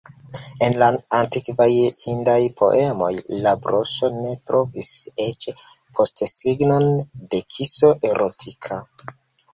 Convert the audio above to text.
En la antikvaj Hindaj poemoj Lombroso ne trovis eĉ postesignon de kiso erotika.